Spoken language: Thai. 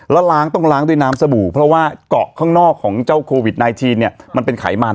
แล้วล้างต้องล้างด้วยน้ำสบู่เพราะว่าเกาะข้างนอกของเจ้าโควิด๑๙เนี่ยมันเป็นไขมัน